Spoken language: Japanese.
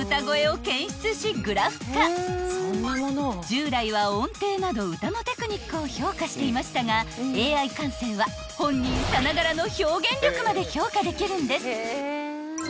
［従来は音程など歌のテクニックを評価していましたがＡｉ感性は本人さながらの表現力まで評価できるんです］